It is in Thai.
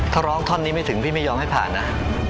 ถ้าร้องท่อนนี้ไม่ถึงพี่ไม่ยอมให้ผ่านนะ